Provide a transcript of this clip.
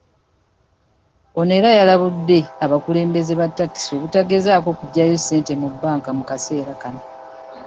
Ono era yalabudde abakulembeze ba takisi obutagezaako kujjayo ssente mu banka mu kaseera kano.